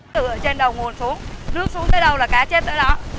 từ ở trên đầu nguồn xuống nước xuống tới đâu là cá chết tới đó